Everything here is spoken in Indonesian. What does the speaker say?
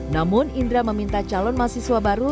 namun indra meminta calon mahasiswa baru